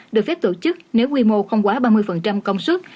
được phép tổ chức nếu quy mô không quá ba mươi công suất